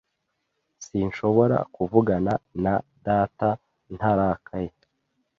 Sinshobora kuvugana na data ntarakaye.